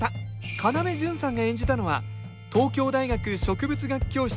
要潤さんが演じたのは東京大学植物学教室